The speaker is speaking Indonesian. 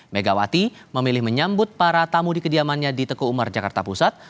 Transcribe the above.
megawati memilih menyambut para tamu di kediamannya di teku umar jakarta pusat